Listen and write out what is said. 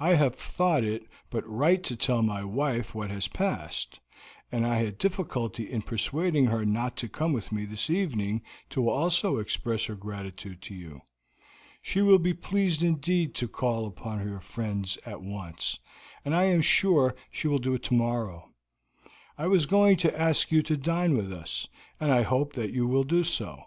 I have thought it but right to tell my wife what has passed, and I had difficulty in persuading her not to come with me this evening to also express her gratitude to you. She will be pleased indeed to call upon your friends at once, and I am sure she will do so tomorrow. I was going to ask you to dine with us, and I hope that you will do so.